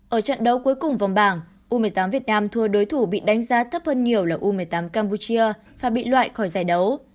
ở trận đấu cuối cùng vòng bảng u một mươi tám việt nam thua đối thủ bị đánh giá thấp hơn nhiều là u một mươi tám campuchia và bị loại khỏi giải đấu